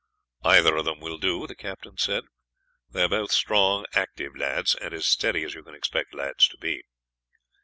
"Either of them will do," the captain said; "they are both strong, active lads, and as steady as you can expect lads to be."